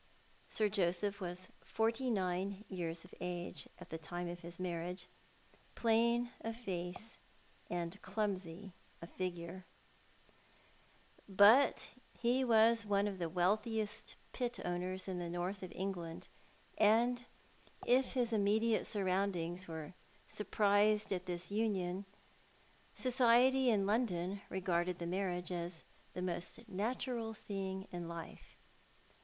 Sir Joseph was forty nine years of age at the time of his marriage, plain of face and clumsy of figure; 28 Thou art the Man. but he was one of the wealthiest pit owners in the North of England, and, if his immediate surroundings were surprised at this union, society in London regarded the marriage as the most natural thing in life.